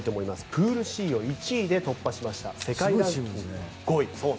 プールＣを１位で突破しました世界ランキング５位。